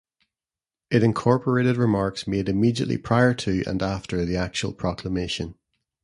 It incorporated remarks made immediately prior to and after the actual proclamation.